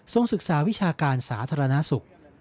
ศึกษาวิชาการสาธารณสุข